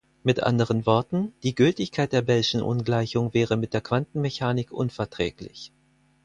Mit anderen Worten: Die Gültigkeit der Bellschen Ungleichung wäre mit der Quantenmechanik unverträglich.